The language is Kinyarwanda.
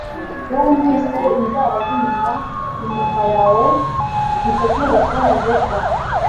Iyo wunvise inzara zinyuma inyuma yawe, ntutegereze kubona zebra.